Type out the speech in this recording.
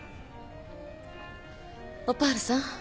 オパールさん。